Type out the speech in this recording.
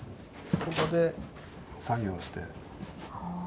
ここで作業をして。